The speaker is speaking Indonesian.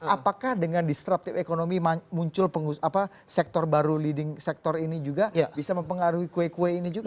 apakah dengan disruptive economy muncul sektor baru leading sektor ini juga bisa mempengaruhi kue kue ini juga